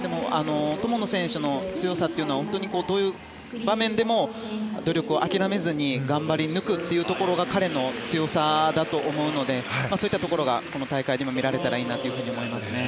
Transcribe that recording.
友野選手の強さというのはどういう場面でも努力を諦めずに頑張り抜くというところが彼の強さだと思うのでそういったところがこの大会でも見られたらいいなと思いますね。